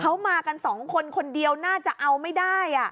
เขามากันสองคนคนเดียวน่าจะเอาไม่ได้